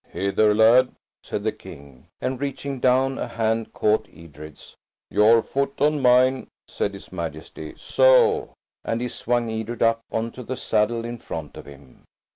"Hither, lad," said the King, and reaching down a hand caught Edred's. "Your foot on mine," said his Majesty. "So!" and he swung Edred up on to the saddle in front of him.